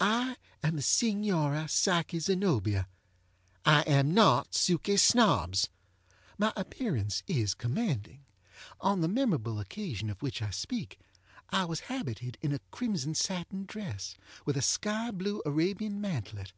I am the Signora Psyche Zenobia. I am not Suky Snobbs. My appearance is commanding. On the memorable occasion of which I speak I was habited in a crimson satin dress, with a sky blue Arabian mantelet.